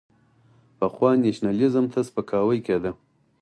پخوا نېشنلېزم ته سپکاوی کېده.